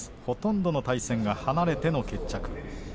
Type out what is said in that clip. ほとんどの対戦が離れての決着。